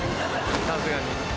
さすがに。